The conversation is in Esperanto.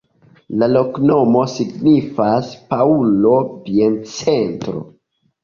La loknomo signifas: Paŭlo-biencentro.